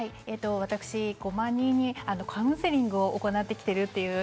私５万人にカウンセリングを行ってきているという